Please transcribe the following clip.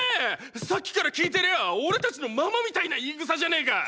さっきから聞いてりゃ俺たちのママみたいな言い草じゃねェか！！